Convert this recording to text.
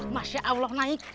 masya allah naik